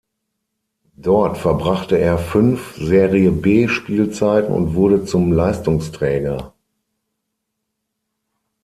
Dort verbrachte er fünf Serie-B-Spielzeiten und wurde zum Leistungsträger.